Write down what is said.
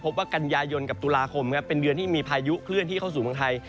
ว่ากันยายนกับตุลาคมครับเป็นเดือนที่มีพายุเคลื่อนที่เข้าสู่เมืองไทย